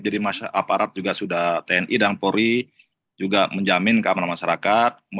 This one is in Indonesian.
jadi aparat juga sudah tni dan polri juga menjamin keamanan masyarakat